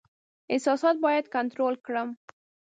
احساسات باید کنټرول کړم.